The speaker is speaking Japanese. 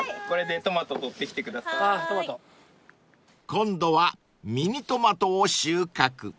［今度はミニトマトを収穫］